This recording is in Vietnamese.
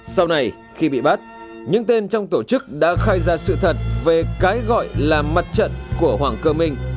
sau này khi bị bắt những tên trong tổ chức đã khai ra sự thật về cái gọi là mặt trận của hoàng cơ minh